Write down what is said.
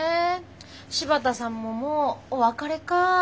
柴田さんももうお別れかぁ。